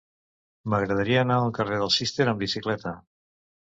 M'agradaria anar al carrer del Cister amb bicicleta.